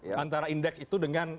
antara indeks itu dengan